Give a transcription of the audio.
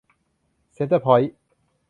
เซ็นเตอร์พอยท์